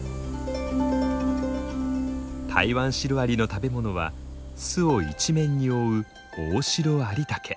タイワンシロアリの食べ物は巣を一面に覆うオオシロアリタケ。